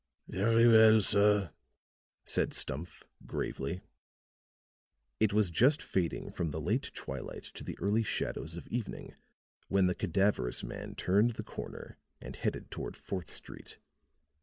"Very well, sir," said Stumph, gravely. It was just fading from the late twilight to the early shadows of evening when the cadaverous man turned the corner and headed toward Fourth Street.